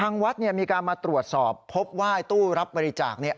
ทางวัดเนี่ยมีการมาตรวจสอบพบว่าตู้รับบริจาค